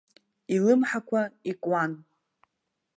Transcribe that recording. Илымҳақәа икуан.